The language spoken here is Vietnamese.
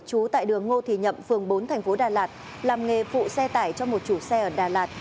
trú tại đường ngô thì nhậm phường bốn thành phố đà lạt làm nghề phụ xe tải cho một chủ xe ở đà lạt